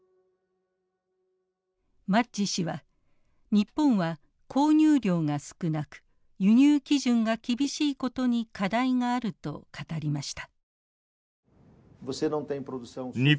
マッジ氏は日本は購入量が少なく輸入基準が厳しいことに課題があると語りました。